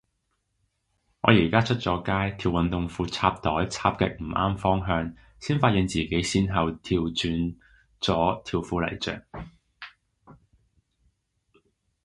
我而家出咗街，條運動褲插袋插極唔啱方向，先發現自己前後掉轉咗條褲嚟着